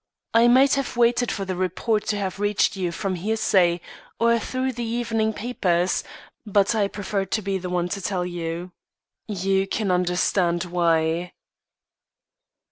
I might have waited for the report to have reached you from hearsay, or through the evening papers; but I preferred to be the one to tell you. You can understand why."